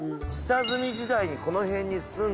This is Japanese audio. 下積み時代にこの辺に住んでて。